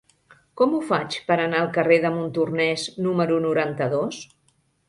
Com ho faig per anar al carrer de Montornès número noranta-dos?